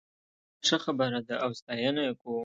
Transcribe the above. دا ښه خبره ده او ستاينه یې کوو